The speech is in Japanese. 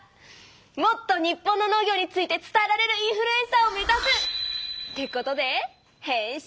もっと日本の農業について伝えられるインフルエンサーを目ざす！ってことで変身！